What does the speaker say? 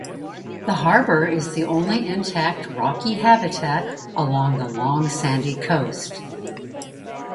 The harbor is the only intact rocky habitat along the long sandy coast.